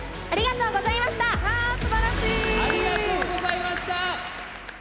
ありがとうございます！